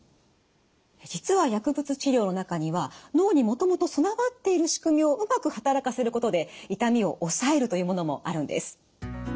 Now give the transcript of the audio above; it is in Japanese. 実は薬物治療の中には脳にもともと備わっているしくみをうまく働かせることで痛みを抑えるというものもあるんです。